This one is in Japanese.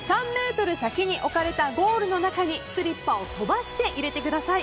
３ｍ先に置かれたゴールの中にスリッパを飛ばして入れてください。